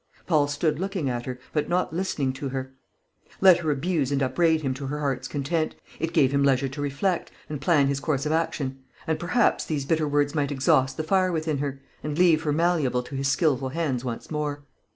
Paul stood looking at her, but not listening to her. Let her abuse and upbraid him to her heart's content; it gave him leisure to reflect, and plan his course of action; and perhaps these bitter words might exhaust the fire within her, and leave her malleable to his skilful hands once more.